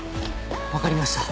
分かりました。